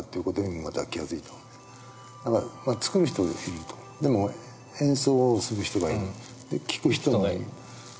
だから作る人がいるとでも演奏をする人がいる聴く人がいる。